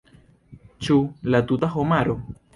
Ĉu la tuta homaro?